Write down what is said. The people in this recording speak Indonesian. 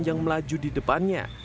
yang melaju di depannya